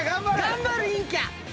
頑張る陰キャ！